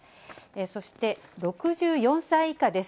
そして６４歳以下です。